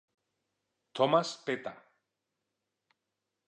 Tomasz Peta.